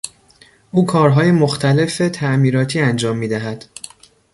او کارهای مختلف تعمیراتی انجام میدهد.